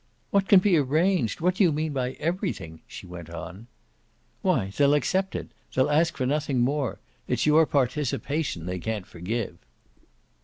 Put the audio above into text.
"What can be arranged? What do you mean by everything?" she went on. "Why they'll accept it; they'll ask for nothing more. It's your participation they can't forgive."